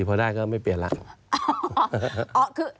พอได้ก็ไม่เปลี่ยนแล้ว